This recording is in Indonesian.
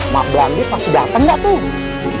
malampir pasti dateng gak tuh